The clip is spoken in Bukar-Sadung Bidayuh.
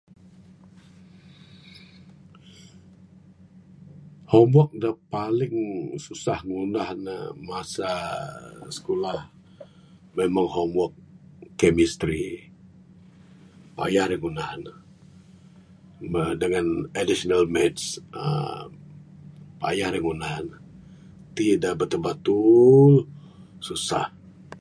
Homework dak paling susah aku ngunah ne masa sikulah meh en homework chemistry, payah adup ngunah ne, meh dangan additional math uhh payah adup ngunah ne tik dak batul-batul susah.